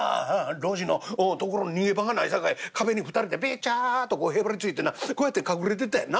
路地の所に逃げ場がないさかい壁に２人でベチャッとこうへばりついてなこうやって隠れてたんやな。